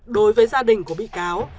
đối với gia đình của bị cáo